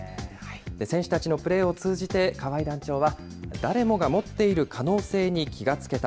選手たちのプレーを通じて、河合団長は、誰もが持っている可能性に気が付けた。